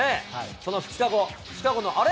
その２日後、シカゴの、あれ？